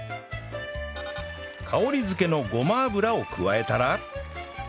香りづけのごま油を加えたら